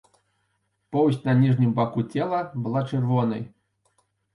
Поўсць на ніжнім баку цела была чырвонай.